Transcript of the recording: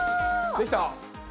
できた？